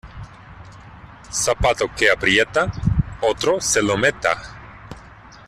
Zapato que aprieta, otro se lo meta.